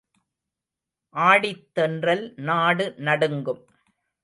ஆடித் தென்றல் நாடு நடுங்கும்.